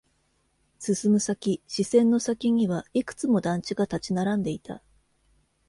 進む先、視線の先にはいくつも団地が立ち並んでいた。